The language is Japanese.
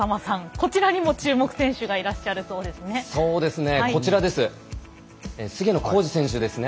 こちらにも注目選手がいらっしゃるそうですね。